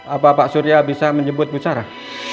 apa pak surya bisa menyebut bu sarah